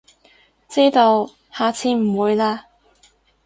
知道，下次唔會喇